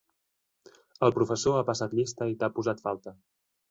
El professor ha passat llista i t'ha posat falta.